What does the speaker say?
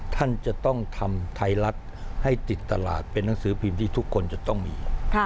ท่านจะต้องทำไทยรัฐให้ติดตลาดเป็นหนังสือพิมพ์ที่ทุกคนจะต้องมี